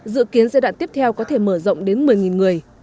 dự kiến giai đoạn tiếp theo có thể mở rộng đến một mươi người